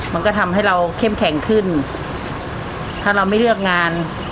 มันก็ทำให้เราเข้มแข็งขึ้นถ้าเราไม่เลือกงาน